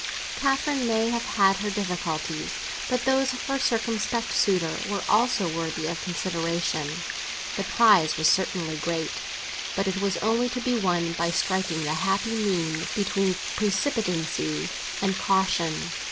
Catherine may have had her difficulties; but those of her circumspect suitor are also worthy of consideration. The prize was certainly great; but it was only to be won by striking the happy mean between precipitancy and caution.